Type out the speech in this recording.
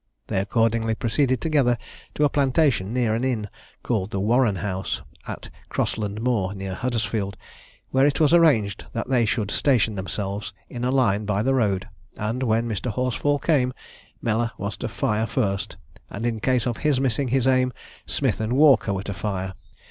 They accordingly proceeded together to a plantation near an inn called the Warren house, at Crossland Moor, near Huddersfield, where it was arranged that they should station themselves in a line by the road, and when Mr. Horsfall came, Mellor was to fire first; and in case of his missing his aim Smith and Walker were to fire.